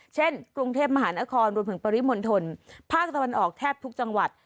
เช่นกรุงเทพมหานครรวมถึงปริมณฑลภาคตะวันออกแทบทุกจังหวัด